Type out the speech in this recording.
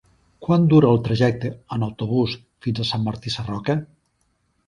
Quant dura el trajecte en autobús fins a Sant Martí Sarroca?